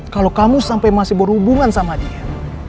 kalau kamu sampai masih berhubungan sama dia